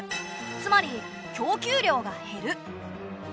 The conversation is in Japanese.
つまり供給量が減る。